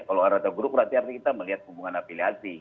kalau ada dua grup berarti berarti kita melihat hubungan afiliasi